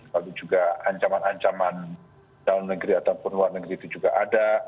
lalu juga ancaman ancaman dalam negeri ataupun luar negeri itu juga ada